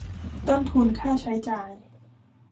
ต้นทุนค่าใช้จ่าย